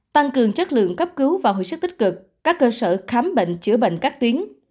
tăng cường chất lượng cấp cứu và hồi sức tích cực các cơ sở khám bệnh chữa bệnh các tuyến